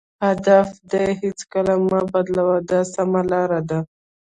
هدف دې هېڅکله مه بدلوه دا سمه لار ده.